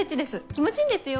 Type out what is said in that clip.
気持ちいいんですよ。